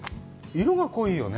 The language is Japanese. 色が濃いよね。